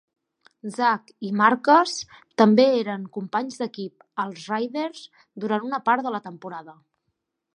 Zach i Marques també eren companys d'equip als Raiders durant una part de la temporada.